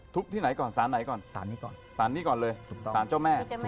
ทุบที่ไหนก่อนสารไหนก่อนสารนี้ก่อนเลยสารเจ้าแม่